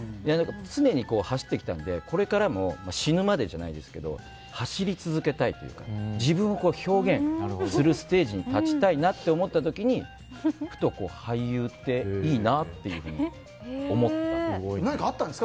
常に走ってきたのでこれからも死ぬまでじゃないですけど走り続けたいというか自分を表現するステージに立ちたいなって思った時にふと俳優っていいなというふうに思ったんです。